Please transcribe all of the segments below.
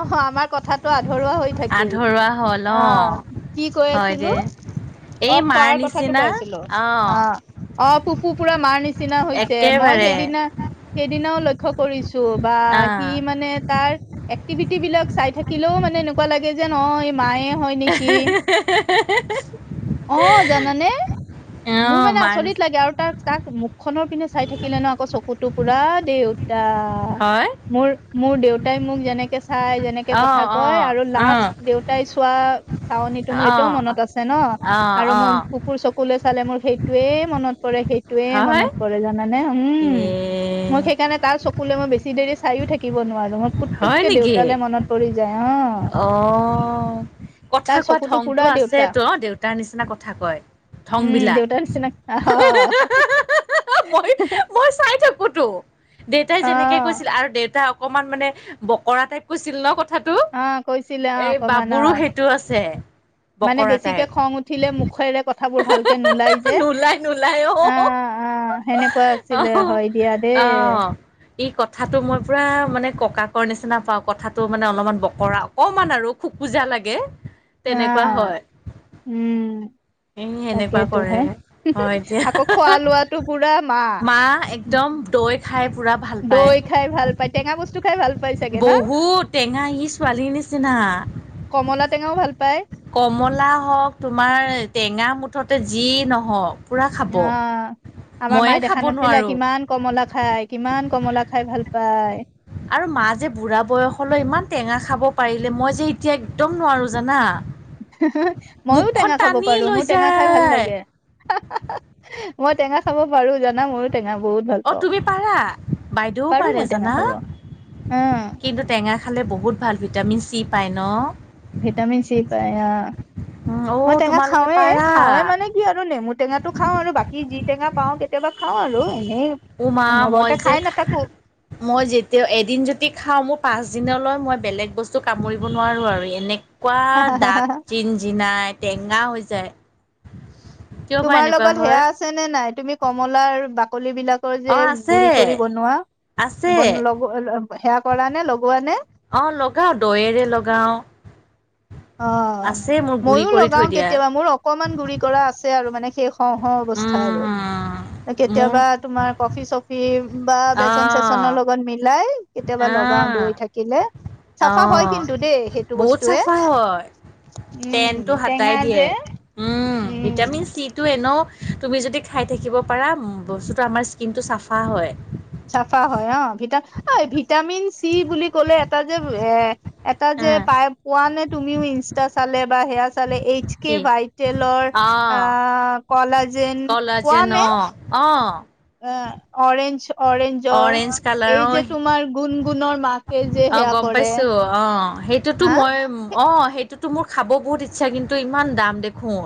অ আমাৰ কথাটো আধৰুৱা হৈ থাকিল আধৰুৱা হ'ল অ কি কৈ হয় দে। আছিলো এই অ মাৰ খোৱাৰ কথাটো নিচিনা কৈছিলো অ অ পুপো পুৰা মাৰ নি চিনা হৈছে মই একেবাৰে সেইদিনা সেইদিনাও লক্ষ্য কৰিছো বা সি অ', মানে তাৰ এক্টিভিটি বিলাক চাই থাকিলেও মানে এনেকোৱা লা গে যেন অ এ মায়ে হয় নেকি অ জানানে মোৰ অ', মানে মাৰ আচৰিত নিচিনা লাগে আৰু তাৰ তাক খনৰ পিনে চাই থাকিলে ন আকৌ চকুতো পুৰা দেউতা হয় মোৰ মোৰ দেউ তাই মোক যেনেকে চাই যে এনেকে কথা অ', কয় অ', আৰু অ', লাষ্ট দেউতাই চোৱা চাৱনীটো মোৰ এতিয়াও অ', মনত আছে ন অ আৰু অ মোৰ চকুলে চালে মোৰ সেইটোয়ে মনত পৰে সেইটোয়ে মনত পৰে জানানে উম ইয়ে মই সেইকাৰণে তাৰ চকুলে মই বেছি দেৰি চাইও থাকিব নোৱাৰো মই হয় পুতুককে নেকি? দেউতালে মনত পৰি যায় অ অ কথা তাৰ কোৱা চকুটো ধংতো পুৰা দেউতা আছেতো অ দেউতাৰ নিচিনা কথা কয় ধং উম বিলাক দেউতাৰ নিচিনা অ হে হা হা হা হা হা মই মই চাই থাকোতো দেউতাই যেনেকে অ কৈছিল আৰু দেউতাক অকমান মানে বকৰা টাইপ কৈছিল ন কথাটো অ কৈছিলে অ এই অকমান অ বাবুৰো সেইটো আছে মানে বকৰা বেছিকে টাইপ খং উঠিলে মুখেৰে কথাবোৰ ভালকে নোলাই যে নোলাই নোলাই অ অহ অ সেনেকোৱা আছিলে আহ হয় দিয়া দেই আহ ই, কথাাতটো মই পুৰা মানে, ককাকৰ নিচিনা পাওঁ, কথাটো মানে অলপমান ব কৰা অকমান আৰু খোকোজা লাগে, অ তেনেকুৱা হয়। উম, এ সেনেকুৱা তাকেতো কৰে ভাই, হয় দিয়া আকৌ খোৱা লোৱাাতটো পুৰা মা [inaudible] খাই পুৰা, ভাল পায় দৈ খাই ভাল পায়, টেঙা বস্তু খাই ভাল পাই চাগে ন বহুত টেঙা, সি ছোৱালীৰ নিচিনা। কমলা টেঙাও, ভাল পায়। কমলা হ'ওক, তোমাৰ টেঙা মুঠতে যি নহওঁক। অ, আমাৰ মায়ে খাব দেখা নাছিলে, নোৱাৰোঁ কিমান কমলা খাই, কিমান কমলা খাই ভাল পায়? আৰু মা যে বুঢ়া বয়সলৈ ইমান টেঙা খাব পাৰিলে, মই যে এতিয়া একদম নোৱাৰো জানা। মইয়ো মুখখন টেঙা খাব টানি পাৰো, লৈ মোৰ টেঙা খাই ভাল যায় লাগে। মই টেঙা খাব পাৰো, জানা‌ মোৰ অ, তুমি পাৰা, বাইদেউও পাৰো পাৰে মই টেঙা জানা। খাব অ কিন্তু টেঙা খালে বহুত ভাল, ভিটামিন চি পায় ন। ভিটামিন চি পায় আহ, উম অ মই টেঙা তোমালোকে খাওৱে, পাৰা? খাওৱে মানে কি আৰু নেমু টেঙা খাওঁ আৰু বাকী যি টেঙা পাওঁ, কেতিয়াবা খাওঁ আৰু এনে উ, মা, মই যে মই যেতিয়া এদিন যদি খাওঁ, মোৰ পাঁচ দিনলৈ মই বেলেগ বস্তু কামুৰিব নোৱাৰো আৰু এনে এনেকুৱা দাঁত জিন-জিনাই, টেঙা হৈ যায়। কিয় বা তোমাৰ এনেকুৱা লগত হয়? সেয়া আছে নে নাই? তুমি কমলাৰ বাকলি বিলাক অ যে আছে গুৰি কৰি বনোৱা, আছে। বন, লগোৱা, সেয়া কৰা নে, লগোৱা নে? অ, লগাও দয়েৰে, লগাও। অ, আছে মোৰ গুৰি মইয়ো কৰি থৈ লগাও দিয়া কেতিয়াবা মোৰ অকণমান গুৰি কৰা আছে আৰু মানে সেই হও, হও, অৱস্থা আৰু উম মোৰ কেতিয়াবা তোমাৰ কফি চপ কিৰিম, বা বেচন আহ চেচনৰ লগত, মিলাই কেতিয়াবা লগাও দৈ থাকিলে। অ, চাফা হয় কিন্তু দেই সেইটো বহুত বস্তুৱে চাফা হয়। উম তেনটো হাতাই টেঙা দিয়ে। যে উম, ভিটামিন সিটো এনেও তুমি যদি খাই থাকিব পাৰা, বস্তুটো আমাৰ স্কিন টো, চাফা হয়। চাফা হয় অ, ভিট অ, ভিটামিন চি বুলি ক'লে এটা যে এ এটা যে আহ পাই, পোৱা নে, তুমিও ইনষ্টা চালে বা সেয়া এইচ, কে, কি ভাইটেলৰ, অ আহ, কলাজেন কোৱা কলাজেন নে? অ অ, অ, অৰেঞ্জ অৰেঞ্জৰ অৰেঞ্জ এই, কালাৰো যে তোমাৰ গুণ-গুণৰ মাকে যে, অ সেয়া গম কৰে। পাইছো অ সেইটোতো হা মই, অ, সেইটোতো মোৰ খাব বহুত ইচ্ছা কিন্তু ইমান দাম দেখোঁ।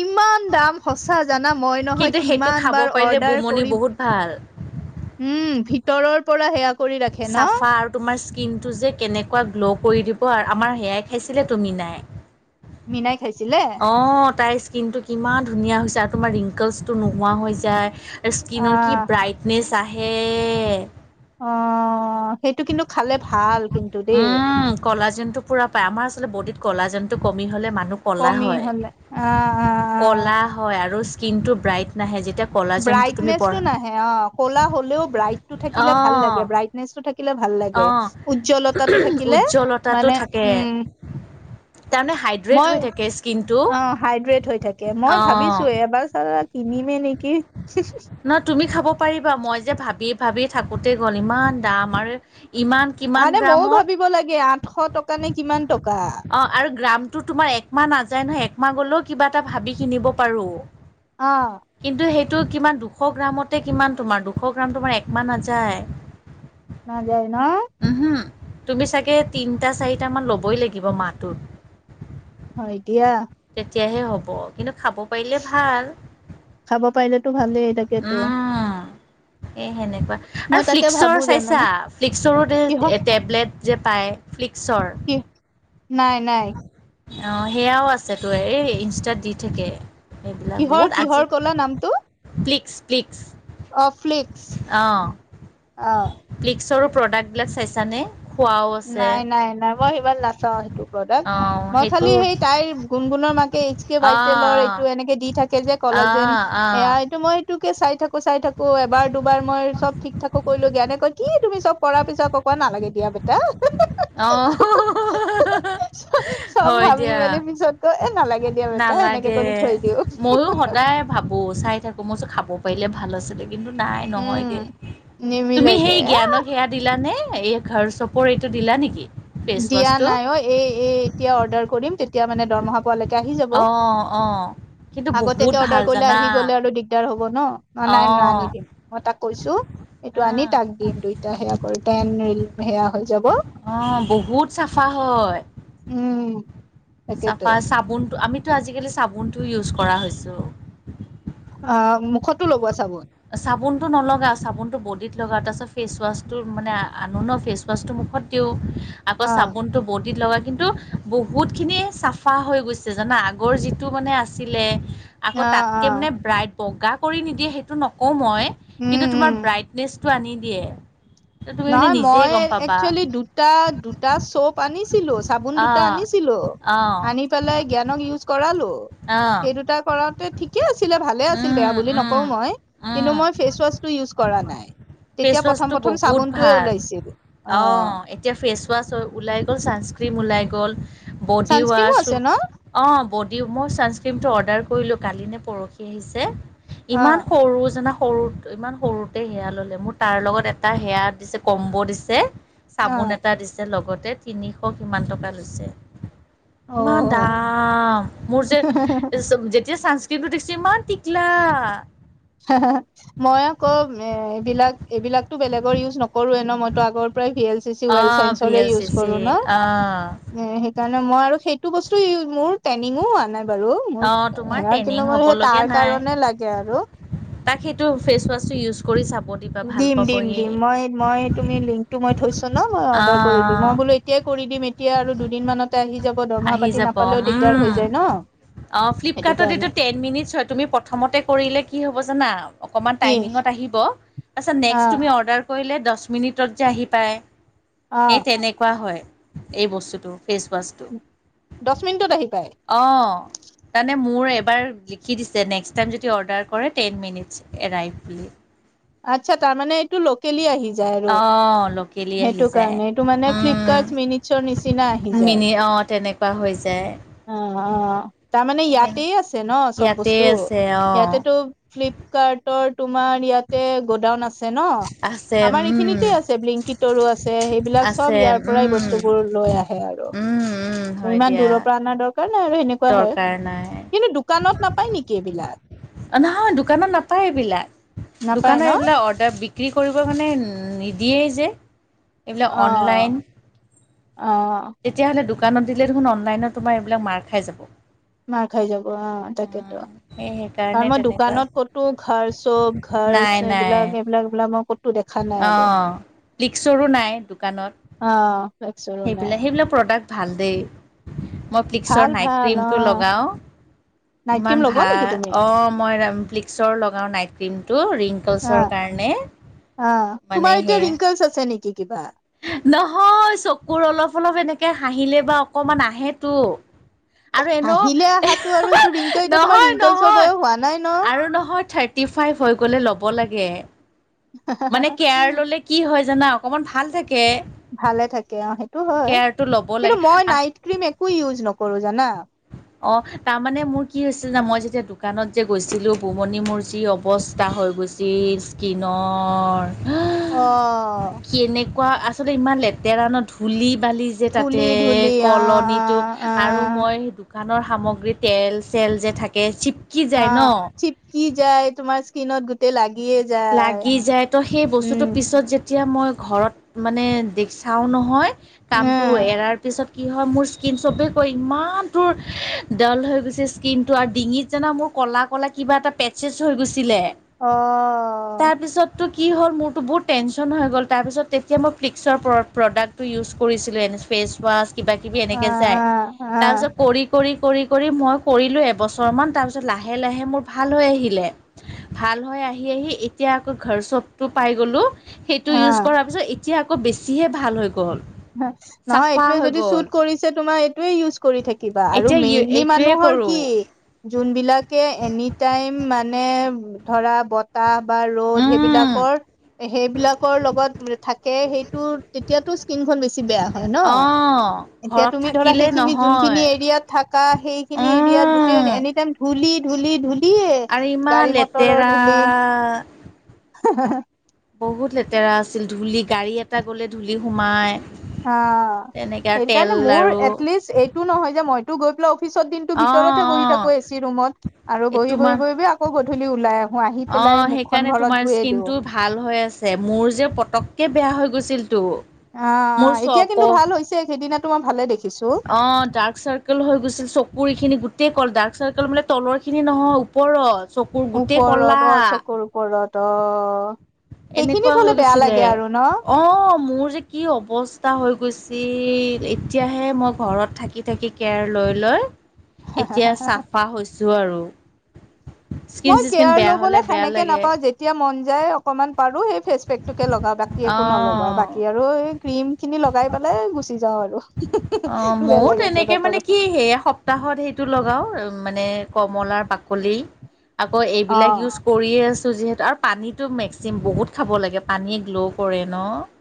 ইমান কিমান দাম, সঁচা জানা মই নহয় কিন্তু সেইটো কিমান খাব বাৰ পাৰিলে অৰ্ডাৰ বুমনি কৰিম বহুত ভাল উম, ভিতৰৰ পৰা সেয়া ৰাখে ন চাফাৰ তোমাৰ স্কিনটো যে, কেনেকুৱা গ্ল' কৰি দিব আৰু আমাৰ সেয়াই খাইছিলে, তুমি নাই মিনাই, খাইছিলে? অ, তাইৰ স্কিনটো কিমান ধুনীয়া হৈছে আৰু তোমাৰ ৰিংকলছটো নোহোৱা হৈ যায়। স্কিনৰ কি আহ ব্ৰাইটনেছ আহে। অ সেইটো কিন্তু খালে ভাল কিন্তু দেই। কলাজেন্তু পূৰা পায়, আমাৰ আচলতে বডীত কলাজেন্তু কমি হ'লে মানুহ ক'লা কমি হয় হলে, আ আ আ ক'লা হয় আৰু স্কিনটো ব্ৰাইট নাহে যেতিয়া কলাজনটো তুমি পঢ় ব্ৰাইটনেচটো নাহে অ, ক'লা হ'লেও ব্ৰাইটটো থাকিলে ভাল অ' লাগে ব্ৰাইট নেচটো থাকিলে ভাল লাগে, অ' উজ্জ্বলতাটো থাকিলে উজ্জ্বলতাটো মানে থাকে উম তাৰমানে হাইড্ৰেট মই হৈ থাকে ইচ অ হাইড্ৰেট হৈ থাকে, মই অ' ভাবিছো এবাৰ চালা কিনিমে নেকি হুহুহ? নহয় তুমি খাব পাৰিবা, মই যে ভাবি - ভাবি থাকোতে গ'ল, ইমান দাম আৰু ইমান কিমান তাতে ময়ো গ্ৰামৰ ভাবিব লাগে আঠশ টকা নে কিমান টকা? অঁ আৰু গ্ৰামটো তোমাৰ একমাহ নাযায় নহয়, একমাহ গ'লেও কিবা এটা ভাবি কিনিব পাৰোঁ? অঁ। কিন্তু সেইটো কিমান দুশ গ্ৰামতে কিমান তোমাৰ দুশ গ্ৰামটো তোমাৰ একমাহ নাযায়? নাযায় ন? উমহু, তুমি চাগে তিনটা - চাৰিটামান ল'বই লাগিব মাহটোত? হয় দিয়া। তেতিয়াহে হ'ব কিন্তু খাব পাৰিলে ভাল, খাব পাৰিলেতো ভালেই তাকেতো উম। এ সেনেকুৱা আৰু মই তাকে ফ্লিক্সৰ ভাবো চাইছা, জানানে ফ্লিক্সৰো যে কিহৰ টে - টেবলেট যে পায় ফ্লিক্সৰ? কি নাই নাই। অ সেয়াও আছে তো, এই ইনষ্টাত দি থাকে। এইবিলাক কিহৰ বহুত আজি কিহৰ ক'লা নামটো? প্লিক্স - প্লিক্স, অ', ফ্লিক্স অঁ। অ। প্লিক্সৰো প্ৰডাক্টবিলাক চাইছানে? খোৱাও আছে নাই নাই নাই, মই সিমান নাচাও সেইটো প্ৰডাক্ট, অঁ মই খালি সেইটো সেই তাইৰ গুণগুণৰ মাকে এইচ কে ৱাইটেলৰ অঁ এইটো এনেকে দি থাকে যে কলা যেন অঁ অঁ অঁ এয়া টো মই এইটোকে চাই থাকো চাই থাকো, এবাৰ, দুবাৰ মই চব ঠিক থাকো কৰিলগিয়া এনেকৈ কি তুমি চব কৰাৰ পিছত অক নালাগে দিয়া বেটা হিহিহ। অ হ হ হ হ হ হ হ। চব অ হয় ভাবি দিয়া, মেলি পিছত কৈ এ নালাগে দিয়া বেটা এনেকে নালাগে কৰি থৈ দিওঁ মইও সদায় ভাবোঁ, চাই থাকোঁ, মই কৈছোঁ খাব পাৰিলে ভাল আছিলে। কিন্তু নাই নহয় উম দে, তুমি নিমিলেগে সেই এ জ্ঞানক সেয়া দিলানে এই ঘৰ চপৰ এইটো দিলা নিকি? দিয়া নাই অ, এ এ এতিয়া অৰ্ডাৰ কৰিম তেতিয়া মানে দৰমহা পোৱা লৈ অ অ। কিন্তু বহুত আগতীয়াকে অৰ্ডাৰ ভাল কৰিলে জানা আহি গলে আৰু দিগদাৰ হ'ব ন, ন অ নাই ন আনি দিম, মই তাক কৈছো, এইটো অ আনি তাক দিম দুইটা সেয়া কৰো দেন হেৰি সেয়া হৈ যাব অ, বহুত চাফা হয়। উম। তাকেতো চাফা চাবোনটো, আমিতো আজিকালি চাবোনটো ইউজ কৰা হৈছো। অ, মুখতো লগোৱা চাবোন? চাবোনটো নলগা, চাবোনটো বডিত লগা তাৰপাছত ফেচৱাছটোৰ মানে আ আনো ন ফেচ টচটো মুখত দিওঁ আকৌ অ চাবোনটো বডিত লগা কিন্তু! বহুত খিনি চাফা হৈ গৈছে জানা আগৰ যিটো মানে আছিলে আকৌ অ অ তাতকৈ মানে ব্ৰাইট বগা কৰি নিদিয়ে সেইটো নকওঁ মই উম কিন্তু উম তোমাৰ ব্ৰাইটনেছ- টো আনি দিয়ে। ত তুমি মানে নহয় নিজেই মই গম পাবা একচুৱেলি দুটা দুটা চপ আনিছিলো। চাবোন দুটা অঁ আনিছিলো অঁ আনি পেলাই জ্ঞানক ইউজ কৰালো। অঁ সেই দুটা কৰাতে ঠিকে আছিলে ভালে আছিল উম বেয়া বুলি উম নকওঁ মই। কিন্তু উম মই ফেচ ৱাছটো ইওজ কৰা নাই ফেচ তেতিয়া ৱাছটো প্ৰথম প্ৰথম বহুত চাবোন টোয়ে ভাল উলাইছিল অঁ। অ', এতিয়া ফেচ ৱাছ হয় ওলাই গ'ল ছানস্ক্ৰীম ওলাই গ'ল বডি চানস্ক্ৰীমো ৱাছ আছে ন অঁ বডী মই চানস্ক্ৰীমটো অৰ্ডাৰ কৰিলো কালি নে পৰহি আহিছে। অ ইমান সৰু জাননা সৰু। ইমান সৰুতে সেয়া ললে মোৰ তাৰ লগত এটা সেয়া দিছে কম্ব দিছে। অ চাবোন এটা দিছে লগতে তিনিশ কিমান টকা লৈছে। অ ইমান দাম মোৰ যে যেতিয়া ছান কিৰিমতো দিছে ইমান টিকলা। হে হে মই আকৌ এ এইবিলাক এইবিলাকতো বেলেগৰ ইউজ নকৰো এ ন মইতো আগৰ পৰাই ভি এ। চি চি ওৱেল অ', ভি চাইনচৰে এল চি ইউজ চি কৰো ন। অ', এ সেইকাৰণে মই আৰু সেইটো বস্তু মোৰ ট্ৰেইনিং হোৱা নাই। বাৰু মোৰ অ', তোমাৰ সেয়া ট্ৰেইনিং কিন্তু মোৰ সেই হ'বলগীয়া তাৰ নাই। কাৰণে লাগে আৰু। তাক সেইটো ফেচ ৱাচটো ইউজ কৰি চাব। দিবা ভাল দিম পাব দিম সি দিম মই মই তুমি লিংকটো মই থৈছো ন মই অৰ্ডাৰ কৰি দিম আহ মই বোলো। এতিয়া কৰি দিম এতিয়া আৰু দুদিন মানত। হেতো আহি যাব দৰমহা আহি পাতি যাব নাপালেও দিগদাৰ উম হৈ যায় ন অ সেইটো ফ্লিপকাৰ্টত কাৰণে। এইটো টেন মিনিটছ ছোৱা তুমি প্ৰথমতে কৰিলে কি হ'ব জানা। অকণমান কি টাইমিঙত আহিব তাৰপাছত অ নেক্সট তুমি অৰ্ডাৰ কৰিলে দহ মিনিটত যে আহি পায় অ সেই তেনেকুৱা হয়। এই বস্তুটো ফেচ ৱাছটো। দহ মিনিটত আহি পায়। অঁ! তাৰমানে মোৰ এবাৰ লিখি দিছে নেক্সট টাইম যদি অৰ্ডাৰ কৰে টেন মিনিট এৰাইভ বুলি। আচ্ছা তাৰ মমানে টো লকেলি আহি জাই আৰু অঁ লোকেলি আহি হেইটো যায় কাৰণে এটো মানে উম, ফ্লিপকৰ্ড মিনিট- উছ নিচিনা আহি যায়। পাহৰি যায়। অঁ অঁ তাৰমানে এ ইয়াতে আছে ন' চব ইয়াতে বস্তু আছে অ ইয়াতেতো ফ্লপ কাৰ্টৰ তোমাৰ ইয়াতে গোডাউন আছে ন'। আছে আমাৰ উম এইখিনিতে আছে বিংকি তৰু আছে সেইবিলাক চব আছে ইয়াৰ পৰাই উম উম বস্তুবোৰ লৈ আহে। হয় উম আৰু হয় ইমান দিয়া দূৰৰ পৰা অনা দৰকাৰ নাই আৰু সেনেকুৱা হয় দৰকাৰ নাই কিন্তু দোকানত নাপায় নেকি এইবিলাক? নহয় দোকানত নাপায় এইবিলাক নাপায় ন দোকানত এইবিলাক অদাৰ তাত বিক্ৰী কৰিবৰ কাৰণে নিদিয়েই যে। এইবিলাক অ অনলাইন অ তেতিয়াহ'লে দোকানত দিলে দেখোন অনলাইনত তোমাৰ এইবিলাক মাৰ খাই যাব। মাৰ খাই যাব অ তাকেতো। সেই কাৰ সেইকাৰণে মই তেনেকুৱা দোকানত কতো ঘাৰ চপ ঘাৰচে এইবিলাক এইবিলাক এইবিলাক মই ক অঁ', ফ্লিকচৰো নাই দোকানত। অ'। ফ্লেক্সৰো নাই সেইবিলাক সেইবিলাক প্ৰডাক্ট ভাল দেই, মই ভাল ফ্লিক্সৰ নাইট ভাল ক্ৰীমটো অ লগাওঁ। নাইট ক্ৰীম ইমান লগোৱা নেকি ভাল, তুমি? অ' মই ৰা ফ্লিক্সৰ লগাও নাইট ক্ৰীমটো ৰিং আ, আ, মানে তোমাৰ এতিয়া সেয়া ৰিংকালছ আছে নেকি কিবা? নহয়, চকুৰ অলপ অলপ এনেকে হাঁহিলে বা অকমান আহেতো। আৰু এনেও হাঁহিলে আহাটো আৰু এহে হে সেইটো ৰিংকল এতিয়া তোমাৰ নহয় ৰিংকলচৰ নহয় বয়স হোৱা নাই ন? আৰু নহয় থে টি ফাইভ হৈ গ'লে ল'ব লাগে। মানে কেয়াৰ ললে কি হয় জানা? অকমান ভাল থাকে। ভালে থাকে অ সেইটো হয় কেয়াৰটো ল'ব কিন্তু লাগে মই নাইট ক্ৰীম একো ইউজ নকৰো জানা। অ', তাৰমানে মোৰ কি হৈছিল যে মই যেতিয়া দোকানত যে গৈছিলো ভুমণি মূৰ্জি অ ৱস্তা হৈ গৈছিল স্কিনৰ। অ'। কেনেকুৱা আচলতে ইমান লেতেৰা ন' ধূলি- বালি যে ধূলি তাতে ধূলি অ', কলনিটো অ', আৰু অ', মই দোকানৰ সামগ্ৰী তেল - চেল যে থাকে চিপ অ', চিপকি যায় তোমাৰ স্কিনত গোটেই লাগিয়ে যায়। লাগি যায় ত সেই উম, বস্তুটো পিছত যেতিয়া মই ঘৰত মানে দেক চাওঁ নহয়। কামটো উম, এৰাৰ পিছত কি হয় মোৰ স্কিন চবে কৈ ইমান তোৰ ডাল হৈ গৈছে স্কিনটো আৰু ডিঙিত যেনা মোৰ ক'লা ক'লে কিবা এটা পেটচেছ হৈ গৈছিলে। অ' তাৰপিছতো কি হ'ল মোৰতো বহুত টেনশ্যন হৈ গ'ল তাৰপিছত তেতিয়া মই প্লিক্সৰ প্ৰ প্ৰডাক্ট টো ইউজ কৰিছিলো এনে ফেচৱাছ কিবা কিবি এনেকে যায়। অ', অ', অ', তাৰপিছত কৰি কৰি কৰি কৰি মই কৰিলো এবছৰমান তাৰপিছত লাহে - লাহে মোৰ ভাল হৈ আহিলে। ভাল হয় আহি - আহি এ তিয়া আকৌ ঘৰ চবটো পাই গ'লোঁ সেইটো ইউজ অ'। কৰাৰ পিছত এতিয়া আকৌ বেছিহে ভাল হৈ গ'ল। নহয়, নহয় চাফা এইটোয়ে হৈ যদি গ'ল চুট কৰিছে তোমাৰ এইটোয়ে ইউজ কৰি থাকিবা আৰু এতিয়া মেইনলি এইটোৱে মানুহৰ কি কৰোঁ যোনবিলাকে এনি টাইম মানে ধৰা বতাহ বা ৰ'দ উম সেইবিলাকৰ সেইবিলাকৰ লগত থাকে সেইটো তেতিয়াতো তিনখন বেছ ছি বেয়া হয় ন অ এতিয়া ঘৰত তুমি ধৰা থাকিলে সেইখিনি যোনখিনি নহয় এৰিয়াত থাকা সেই খিনি এৰীয়াত গোটেই এনি - উম এনি টাইম ধূলি ধূলি ধুলিয়ে, গাড়ী - মটৰৰ ধূলি আ হা হা হা। বহুত লেতেৰা আছিল, ধূলি গাড়ী এটা গ'লে ধূলি সোমাই। হ তেনেকে আৰু তেল সেইকাৰণে মোৰ আৰু এটলিষ্ট এইটো নহয় যে মইতো গৈ পেলাই পিছত দিনটো অ ভিতৰতহে অ বহি থাকো এচি ৰুমত। আৰু এই বহি তোমাৰ বহি বহি বহি আকৌ গধূলি ওলাই আহো, আহি অ পেলাই মুখখন সেইকাৰণে ঘৰত তোমাৰ ধুয়ে দিও। স্কিনটো ভাল হৈ আছে, মোৰ যে পতককে বেয়া হৈ গৈছিলটো। অ', অ', এতিয়া কিন্তু ভাল হৈছে সেইদিনাতো মই ভালে দেখিছো। অ', ডাৰ্ক চাৰ্কাল হৈ গৈছিল চকুৰ এইখিনি গোটেই কল ডাৰ্ক চাৰ্কাল মানে তলৰখিনি নহয় ওপৰত। চকুৰ গোটেই ওপৰত অঁ কলা চকুৰ ওপৰত অঁ। এনেকুৱা হৈ গৈছিলে অঁ মোৰ যে কি অৱস্থা হৈ গৈছিল, এতিয়াহে মই ঘৰত থাকি থাকি কেয়াৰ লৈ লৈ। এতিয়া চাফা হৈছো আৰু। স্কিন মই চিচকিন কেয়াৰ বেয়া হলে লবলৈ বেয়া সেনেকে লাগে নাপাওঁ যে তিয়া মন যায় অকমান পাৰো সেই ফেচ পেক টোকে লগাও বাকী অ একো নলগাও বাকী আৰু আৰু এই ক্ৰীম খিনি লগাই পেলাই গুচি যাওঁ আৰু। অঁ মইয়ো বেলেগ একো তেনেকে মানে নকৰো কি সেয়া সপতাহত সেইটো লগাওঁ মানে কমলাৰ বাকলি আকৌ অ এইবিলাক ইউজ কৰিয়ে আছোঁ যিহেতু আৰু পানীটো মেক্সিমাম বহুত খাব লাগে পানীয়ে গ্ল' কৰে ন।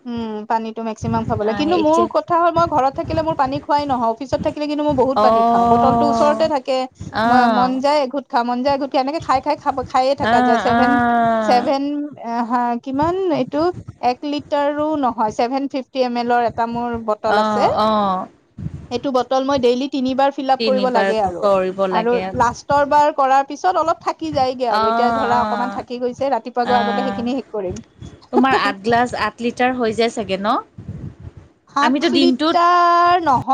উম, পানীটো মেক্সিমাম খাব অ লাগ কিন্তু মোৰ এতিয়া ক থা হ'ল মই ঘৰত থাকিলে মোৰ পানী খোৱাই নহয়, অফিচত থাকিলে কিন্তু মই বহুত অ পানী খাওঁ বটলটো ওচৰতে থাকে। মই অ মন যায় এঘুত মন যায় এঘূত এনেকে খাই খাই খাব খায়ে থকা যায় আহ ছেভেন আহ ছেভেন হা কিমান এইটো এক লিটাৰো নহয় seven fifty M L ৰ মোৰ বটল আছে। আহ আহ সেইটো বটল মই ডেইলি তিনিবাৰ ফিলাপ কৰিব তিনিবাৰ লাগে আৰু। কৰিব আৰু লাগে অ লাষ্টৰ বাৰ কৰাৰ পিছত অলপ থা কি যায়গে আৰু এতিয়া ধৰা অ অকনমান থাকি গৈছে ৰাতিপুৱা গৈ আগতে আহ সেইখিনি শেষ তোমাৰ আঠ কৰিম। গ্লাছ আঠ লিটাৰ হৈ যায় চাগে ন? সাত আমিতো দিনটোত লিটাৰ ন